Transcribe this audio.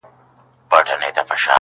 پروت ! لکه ! په سر !مې آسمان داسې وو